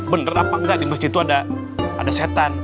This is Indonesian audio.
benar apa enggak di masjid itu ada setan